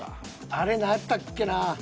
あれ何やったっけな？